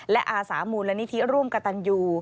และอาสามูลนิธิร่วมกับตันยู